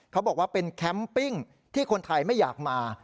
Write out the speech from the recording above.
เขาบอกว่าเป็นแคมปิ้งที่คนไทยไม่อยากมา